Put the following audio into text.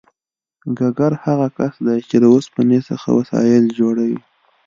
ګګر هغه کس دی چې له اوسپنې څخه وسایل جوړوي